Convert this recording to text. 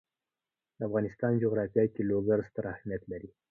د افغانستان جغرافیه کې لوگر ستر اهمیت لري.